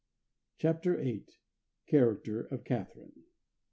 CHAPTER VIII. Character of Catharine.